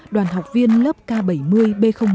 đoàn học viên lớp k bảy mươi b một